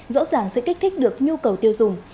rõ ràng sẽ kích thích được nhu cầu tiêu dùng